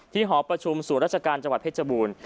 หอประชุมศูนย์ราชการจังหวัดเพชรบูรณ์